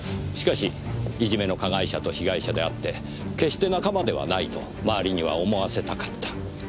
しかしいじめの加害者と被害者であって決して仲間ではないと周りには思わせたかった。